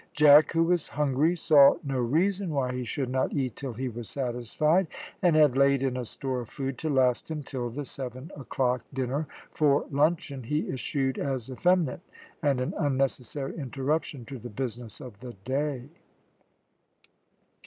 Jack, who was hungry, saw no reason why he should not eat till he was satisfied, and had laid in a store of food to last him till the seven o'clock dinner, for luncheon he eschewed as effeminate and an unnecessary interruption to the business of the day.